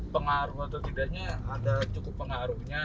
pengaruh atau tidaknya ada cukup pengaruhnya